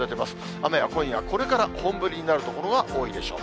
雨は今夜これから、本降りになる所が多いでしょう。